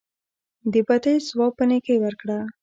د بدۍ ځواب په نیکۍ ورکړه.